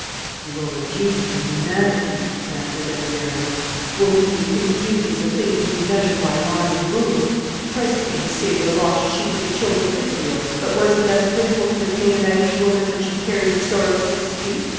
"You owe a duty to humanity," answered Edward Arundel. "Woman, do you think duty is a thing to be measured by line and rule? Christ came to save the lost sheep of the children of Israel; but was He less pitiful to the Canaanitish woman when she carried her sorrows to His feet?